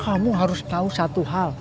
kamu harus tahu satu hal